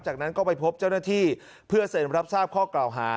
จากนั้นก็ไปพบเจ้าหน้าที่เพื่อเซ็นรับทราบข้อกล่าวหา